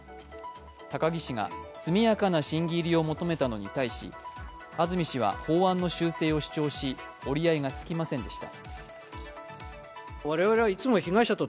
高木氏が速やかな審議入りを求めたのに対し安住氏は法案の修正を主張し折り合いがつきませんでした。